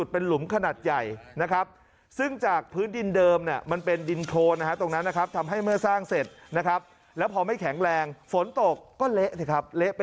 แป๊บดีโอทำไมมันร้าวแล้วล่ะ